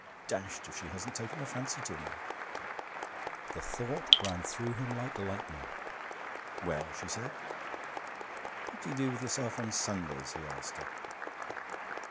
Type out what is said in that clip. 'Dashed if she hasn't taken a fancy to me!' The thought ran through him like lightning. 'Well?' she said. 'What do you do with yourself Sundays?' he asked her.